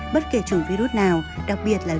bất kể chủng virus nào đặc biệt là virus ncov